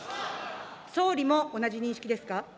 総理も同じ認識ですか。